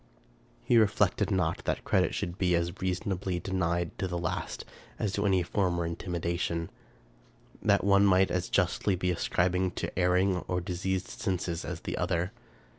He reflected not that credit should be as reasonably de nied to the last as to any former intimation ; that one might as justly be ascribed to erring or diseased senses as the other.